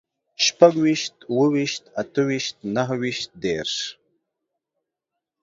شپږويشت، اووه ويشت، اته ويشت، نهه ويشت، دېرش